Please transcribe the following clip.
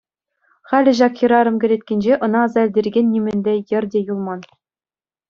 Халӗ ҫак хӗрарӑм кӗлеткинче ӑна аса илтерекен нимӗнле йӗр те юлман.